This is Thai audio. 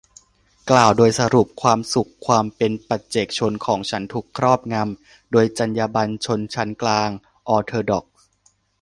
กล่าวโดยสรุปความสุขความเป็นปัจเจกชนของฉันถูกครอบงำโดยจรรยาบรรณชนชั้นกลางออร์โธดอกซ์